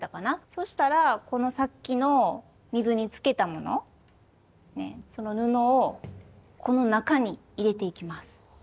そしたらこのさっきの水につけたものその布をこの中に入れていきます。